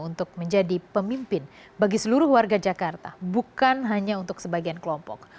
untuk menjadi pemimpin bagi seluruh warga jakarta bukan hanya untuk sebagian kelompok